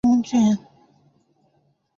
出生于官僚世家河东柳氏东眷。